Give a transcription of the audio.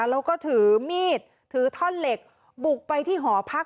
แล้วก็ถือมีดถือท่อนเหล็กบุกไปที่หอพัก